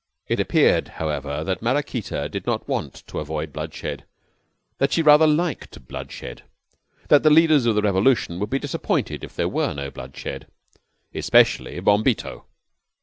It appeared, however, that Maraquita did not want to avoid bloodshed, that she rather liked bloodshed, that the leaders of the revolution would be disappointed if there were no bloodshed. Especially Bombito.